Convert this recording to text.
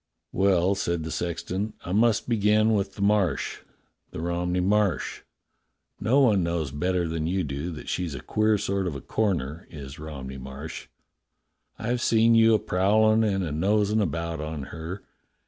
^^" "Well," said the sexton, "I must begin with the Marsh — the Romney Marsh. No one knows better than you do that she's a queer sort of a corner, is Rom ney Marsh. I've seen you a prowlin' and a nosin' about on her.